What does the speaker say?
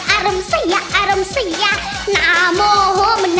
อารมณ์เสียอารมณ์เสียอารมณ์เสีย